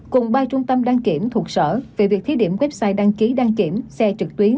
cùng ba trung tâm đăng kiểm thuộc sở về việc thí điểm website đăng ký đăng kiểm xe trực tuyến